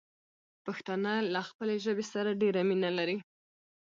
پښتانه له خپلې ژبې سره ډېره مينه لري.